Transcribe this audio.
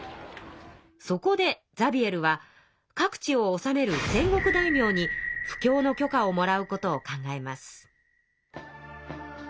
そこでザビエルは各地を治める戦国大名に布教の許可をもらうことを考えます。